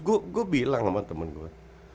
gue bilang sama temen gue